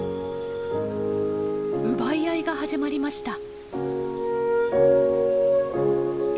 奪い合いが始まりました。